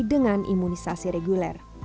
dengan imunisasi reguler